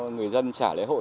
người dân trả lễ hội